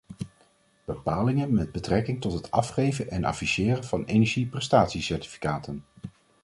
Bepalingen met betrekking tot het afgeven en afficheren van energieprestatiecertificaten.